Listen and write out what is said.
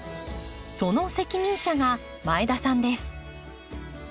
その責任者が前田さんです。